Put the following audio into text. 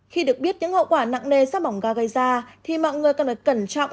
khi được biết những hậu quả nặng nề do mỏng ga gây ra thì mọi người cần phải cẩn trọng